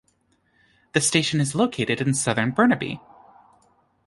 The station is located in southern Burnaby.